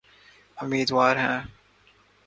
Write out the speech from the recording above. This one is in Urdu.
امیدوار ہے۔